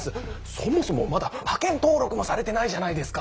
そもそもまだ派遣登録もされてないじゃないですか！